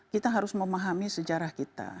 kita harus memahami sejarah kita